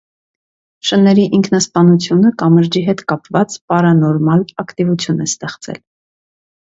Շների ինքնասպանությունը կամրջի հետ կապված պարանորմալ ակտիվություն է ստեղծել։